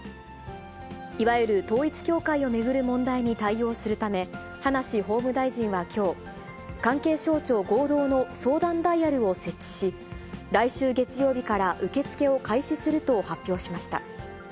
いわゆる統一教会を巡る問題に対応するため、葉梨法務大臣はきょう、関係省庁合同の相談ダイヤルを設置し、来週月曜日から受け付けを開始すると発表しました。